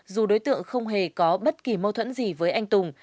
dù đối tượng không hề có bất kỳ mâu thuẫn gì với anh tùng